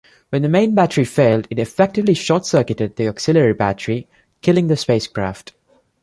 When the main battery failed, it effectively short-circuited the auxiliary battery, killing the spacecraft.